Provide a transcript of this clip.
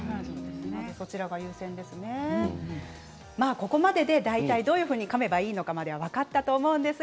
ここまでで大体どういうふうにかめばいいのか分かったと思います。